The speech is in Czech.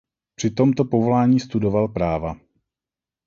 Při tomto povolání studoval práva.